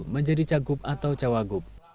menjadi cagup atau cawagup